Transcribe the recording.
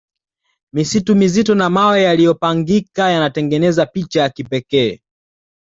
misitu mizito na mawe yaliopangika yanatengezeza picha ya kipekee